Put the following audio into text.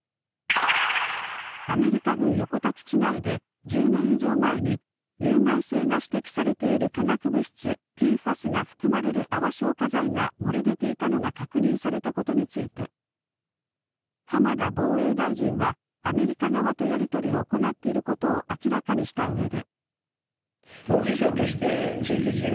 アメリカ軍横田基地内で１０年以上前に有害性が指摘されている化学物質、ＰＦＡＳが含まれる泡消火剤が漏れ出ていたのが確認されたことについて浜田防衛大臣はアメリカ側とやり取りを行っていることを明らかにしたうえで。